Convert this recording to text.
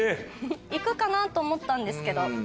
いくかなと思ったんですけど。